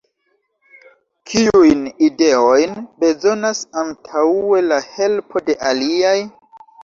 Kiujn ideojn bezonas antaŭe la helpo de aliaj?